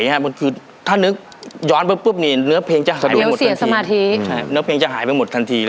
แล้วเพลงจะหายไปหมดทันทีแล้ว